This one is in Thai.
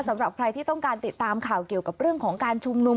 สำหรับใครที่ต้องการติดตามข่าวเกี่ยวกับเรื่องของการชุมนุม